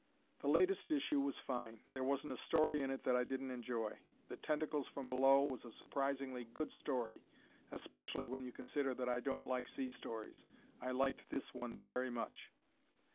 The latest issue was fine. There wasn't a story in it that I didn't enjoy. "The Tentacles from Below" was a surprisingly good story, especially when you consider that I don't like sea stories. I liked this one very much.